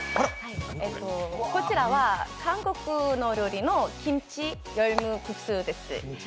こちらは韓国の料理のキムチヨルムクッスです。